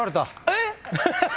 えっ！？